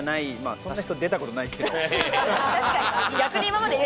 そんな人出たことないけど。